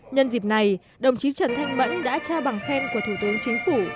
nhân dịp này đồng chí trần thánh mẫn đã tra bằng khen của thủ tướng chính phủ